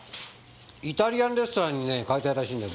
イタリアンレストランに変えたいらしいんだ。